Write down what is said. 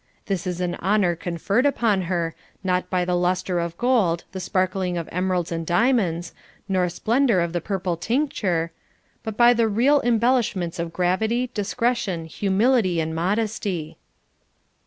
This is an honor conferred upon her, not by the 496 CONJUGAL PRECEPTS. lustre of gold, the sparkling of emeralds and diamonds, nor splendor of the purple tincture, but by the real embel lishments of gravity, discretion, humility, and modesty.